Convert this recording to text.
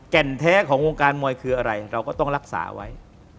แก่นแท้ของวงการมวยคืออะไรเราก็ต้องรักษาไว้